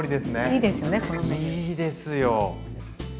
いいですよ。